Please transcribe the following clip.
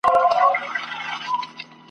د وصال په شپه کي راغلم له هجران سره همزولی !.